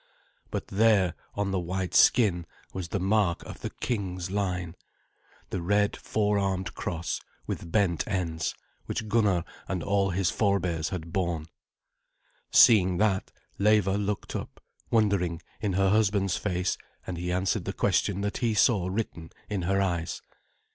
But there on the white skin was the mark of the king's line the red four armed cross with bent ends which Gunnar and all his forebears had borne. Seeing that, Leva looked up wondering in her husband's face, and he answered the question that he saw written in her eyes.